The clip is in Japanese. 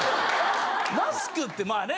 マスクってまあね